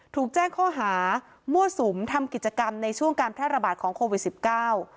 ถูกแจ้งข้อหามั่วสุมทำกิจกรรมในช่วงการแพร่ระบาดของโควิดสิบเก้า